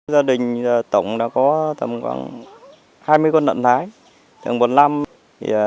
gia đình tổng đã có tầm khoảng hai mươi con nợn thái